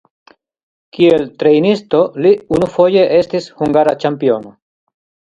Kiel trejnisto li unufoje estis hungara ĉampiono.